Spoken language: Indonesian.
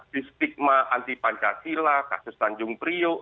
di stigma anti pancasila kasus tanjung priok